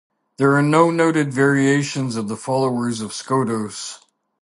There are no noted variations of the followers of Skotos.